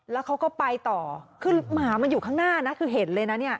แล้วเขาก็ไปต่อคือหมามันอยู่ข้างหน้านะคือเห็นเลยนะเนี่ย